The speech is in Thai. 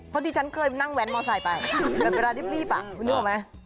เพราะดิฉันเคยนั่งแว้นมอไซค์ไปแต่เวลารีบคุณนึกออกไหม